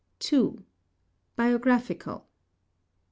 BIOGRAPHICAL.